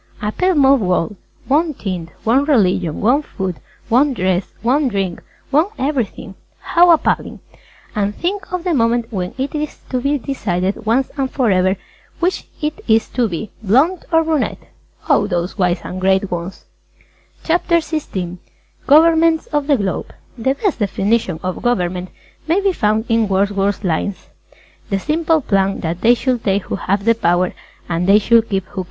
A pale mauve World! One tint, one religion, one food, one dress, one Drink, one everything. How appalling! And think of the moment when it is to be decided once and forever which it is to be Blonde or Brunette! Oh those Wise and Great Ones! CHAPTER XVI GOVERNMENTS OF THE GLOBE The best definition of Government may be found in Wordsworth's lines: "The simple plan That they should take who have the power _And they should keep who can."